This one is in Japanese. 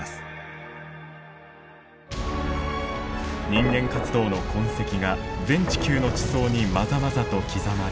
人間活動の痕跡が全地球の地層にまざまざと刻まれるこの時代。